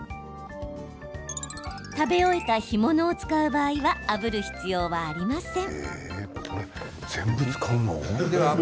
食べ終えた干物を使う場合はあぶる必要はありません。